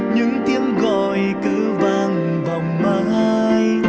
những tiếng gọi cứ vang vòng mãi